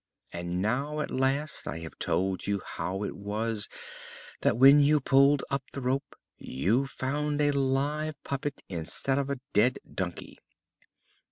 And now, at last, I have told you how it was that when you pulled up the rope you found a live puppet instead of a dead donkey."